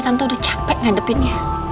tante udah capek ngadepinnya